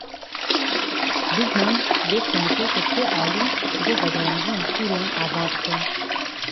Lubnan dê komîteyeke sê alî ji bo vegerandina Sûriyan ava bike.